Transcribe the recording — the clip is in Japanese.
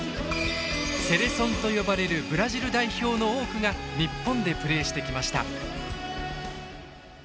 セレソンと呼ばれるブラジル代表の多くが日本でプレーしてきました。